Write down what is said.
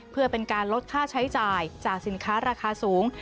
เพื่อเป็นการลดค่าใช้จ่ายจากสินค้าราคาสูง